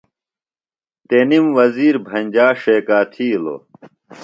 تنِم وزیر بھنجا ݜیکا تِھیلوۡ۔